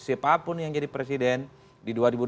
siapapun yang jadi presiden di dua ribu dua puluh